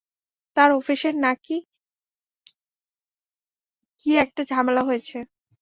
তার অফিসে নাকি কী-একটা ঝামেলা হয়েছে।